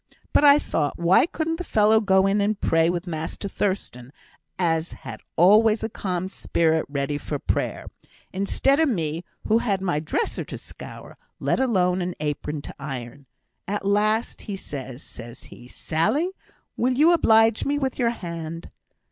but I thought why couldn't the fellow go in and pray wi' Master Thurstan, as had always a calm spirit ready for prayer, instead o' me, who had my dresser to scour, let alone an apron to iron. At last he says, says he, 'Sally! will you oblige me with your hand?'